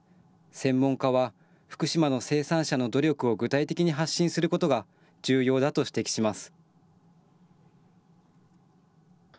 専門家は、福島の生産者の努力を具体的に発信することが重要だと指摘します。